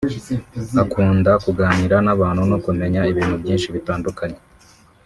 akunda kuganira n’abantu no kumenya ibintu byinshi bitandukanye